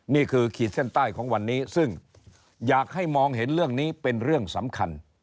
ขีดเส้นใต้ของวันนี้ซึ่งอยากให้มองเห็นเรื่องนี้เป็นเรื่องสำคัญ